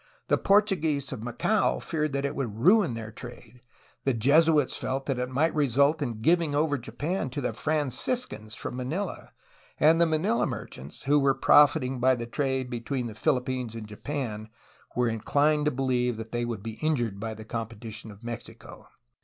The Portuguese of Macao feared that it would ruin their trade; the Jesuits felt that it might result in giving over Japan to the Franciscans from Manila; and the Manila merchants, who were profiting by the trade between the Philippines and Japan, were inclined to believe that they would be injured by the competition of Mexico.